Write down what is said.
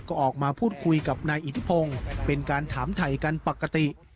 ก็ออกมาพูดคุยกับนายอิทธิพงศ์เป็นการถามถ่ายกันปกติ